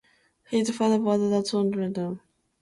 His father was the son of John Moultrie of South Carolina.